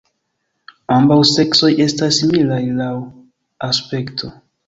Ambaŭ seksoj estas similaj laŭ aspekto.